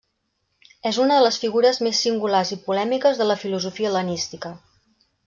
És una de les figures més singulars i polèmiques de la filosofia hel·lenística.